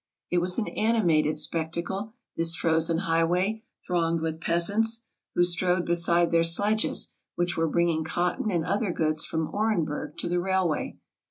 It was an animated spectacle, this frozen highway, 304 TRAVELERS AND EXPLORERS thronged with peasants, who strode beside their sledges, which were bringing cotton and other goods from Orenburg to the railway.